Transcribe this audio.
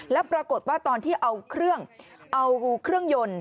แล้วปรากฏว่าตอนที่เอาเครื่องเอาเครื่องยนต์